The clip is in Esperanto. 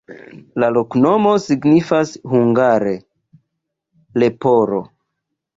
La loknomo signifas hungare: leporo.